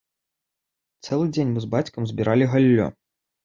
Цэлы дзень мы з бацькам збіралі галлё.